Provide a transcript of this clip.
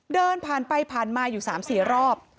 เดินผ่านไปผ่านมาอยู่๓๔รอบ